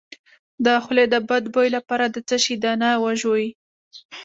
د خولې د بد بوی لپاره د څه شي دانه وژويئ؟